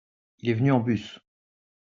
Il est venu en bus.